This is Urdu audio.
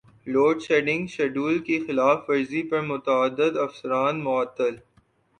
لوڈشیڈنگ شیڈول کی خلاف ورزی پر متعدد افسران معطل